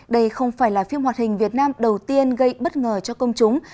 đây không phải là phim hoạt hình việt nam đầu tiên gây bất ngờ cho công chúng